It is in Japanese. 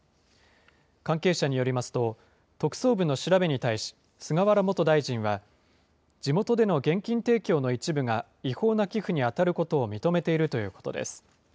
関係者によりますと、特捜部の調べに対し、菅原元大臣は、地元での現金提供の一部が、違法な寄付に当たることを認めているということです。